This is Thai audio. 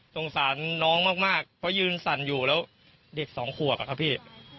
สงสารน้องมากเพราะยืนสั่นอยู่แล้วเด็กสองขวบอะครับพี่